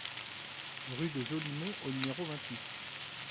Rue de Jolimont au numéro vingt-huit